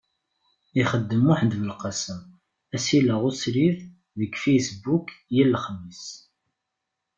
Ixeddem Muḥend Belqasem asileɣ usrid deg Facebook yal lexmis.